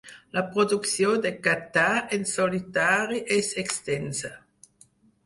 La producció de Catà en solitari és extensa.